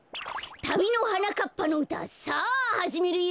たびのはなかっぱのうたさあはじめるよ！